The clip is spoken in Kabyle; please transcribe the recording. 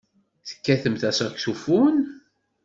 Tekkatemt asaksufun?